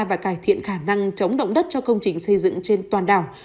và cải thiện khả năng chống động đất cho công trình xây dựng trên toàn đảo